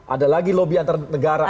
ada lagi lobby antar negara